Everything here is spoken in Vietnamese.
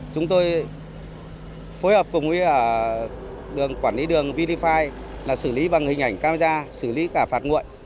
chúng tôi phối hợp cùng với quản lý đường vd năm là xử lý bằng hình ảnh camera xử lý cả phạt nguội